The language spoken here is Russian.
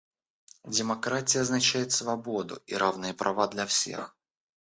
Демократия означает свободу и равные права для всех.